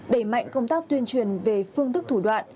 đẩy mạnh công tác tuyên truyền về phương thức thủ đoạn